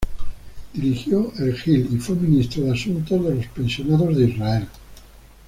Dirigió el Gil y fue ministro de Asuntos de los Pensionados de Israel.